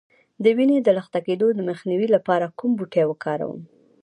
د وینې د لخته کیدو مخنیوي لپاره کوم بوټی وکاروم؟